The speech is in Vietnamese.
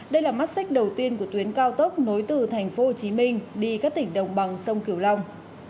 đây là mắt xích đầu tiên của tuyến cao tốc nối từ tp hcm đi các tỉnh đồng bằng sông kiều long